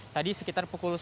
tadi sekitar pukul